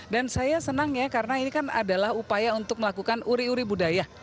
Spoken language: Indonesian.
dan saya senang ya karena ini kan adalah upaya untuk melakukan uri uri budaya